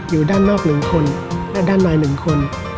อยู่ด้านนอก๑คนและด้านใน๑คน